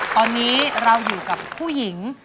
ตอนนี้เราอยู่กับผู้หญิง